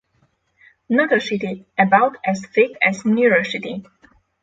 Notochaetae about as thick as neurochaetae.